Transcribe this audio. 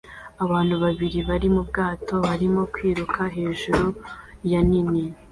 Abantu babiri bari mu bwato barimo kwiruka hejuru ya nini